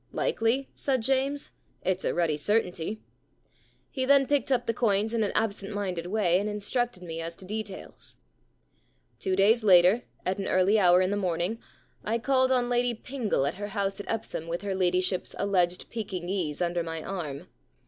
*" Likely ?" said James. It's a ruddy certainty.'* He then picked up the coins in an absent minded way and instructed me as to details. * Two days later, at an early hour in the morning, I called on Lady Pingle at her house at Epsom with her ladyship's alleged Pekingese under my arm.